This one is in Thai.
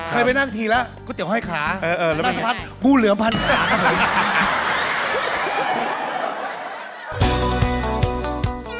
เคยไปนั่งทีแล้วก็เตี๋ยวให้ขาแล้วน่าสะพัดกู้เหลือพันธุ์จากครั้งนี้